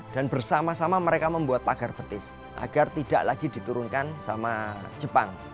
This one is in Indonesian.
dan bersama sama mereka membuat pagar petis agar tidak lagi diturunkan sama jepang